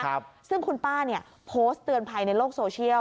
ครับซึ่งคุณป้าเนี่ยโพสต์เตือนภัยในโลกโซเชียล